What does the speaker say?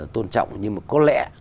tôn trọng nhưng mà có lẽ